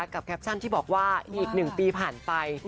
กับแคปชั่นที่บอกว่าอีกหนึ่งปีผ่านไป